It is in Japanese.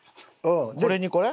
これにこれ？